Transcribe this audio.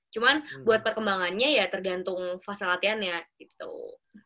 cuma buat perkembangannya ya tergantung fase latihannya gitu